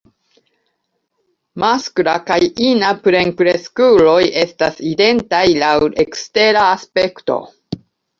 Maskla kaj ina plenkreskuloj estas identaj laŭ ekstera aspekto.